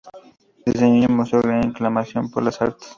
Desde niño mostró gran inclinación por las Artes.